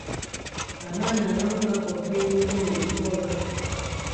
Abaana abamu bakoppa emize mu bikoosi.